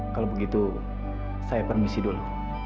kalau begitu saya permisi dulu